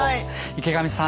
池上さん